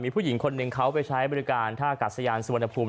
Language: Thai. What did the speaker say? มีผู้หญิงคนหนึ่งเขาไปใช้บริการท่าอากาศยานส่วนอภูมิ